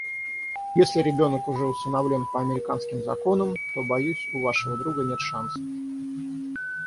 Если ребенок уже усыновлен по американским законам, то, боюсь, у вашего друга нет шансов.